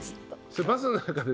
それバスの中で。